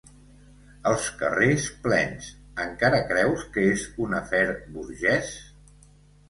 Els carrers plens, encara creus que és un afer burgès?